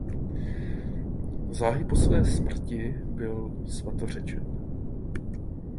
Záhy po své smrti byl svatořečen.